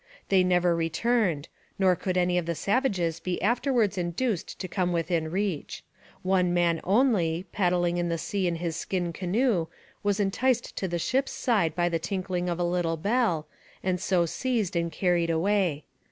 They never returned, nor could any of the savages be afterwards induced to come within reach. One man only, paddling in the sea in his skin canoe, was enticed to the ship's side by the tinkling of a little bell, and so seized and carried away.